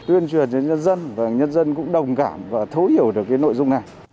tuyên truyền đến nhân dân và nhân dân cũng đồng cảm và thấu hiểu được cái nội dung này